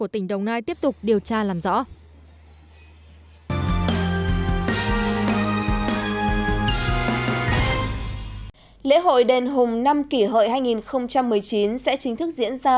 lễ hội đền hùng năm kỷ hợi hai nghìn một mươi chín sẽ chính thức diễn ra